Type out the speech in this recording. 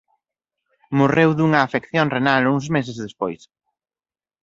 Morreu dunha afección renal uns meses despois.